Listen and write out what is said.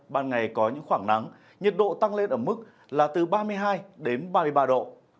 ban ngày có những khoảng nắng nhiệt độ tăng lên ở mức là từ ba mươi hai đến ba mươi ba độ